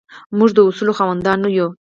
موږ د اصولو خاوندان نه یو.